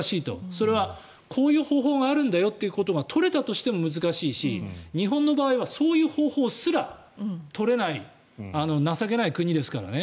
それはこういう方法があるんだよということが取れたとしても難しいし日本の場合はそういう方法すら取れない情けない国ですからね。